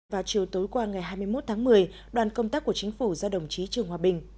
vào chiều tối qua ngày hai mươi một tháng một mươi đoàn công tác của chính phủ do đồng chí trường hòa bình